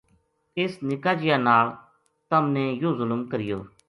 اس نِکا جِیا نال تم نے یوہ ظلم کریو